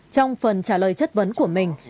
trong phần trả lời chất vấn của mình